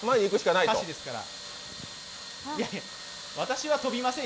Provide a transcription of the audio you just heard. いやいや、私は跳びませんよ。